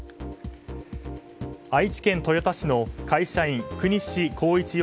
愛知県豊田市の会社員國司浩一